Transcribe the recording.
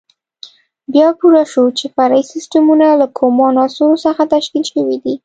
بیا پوه شو چې فرعي سیسټمونه له کومو عناصرو څخه تشکیل شوي دي.